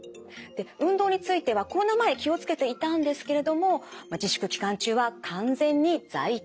運動についてはコロナ前気を付けていたんですけれども自粛期間中は完全に在宅勤務。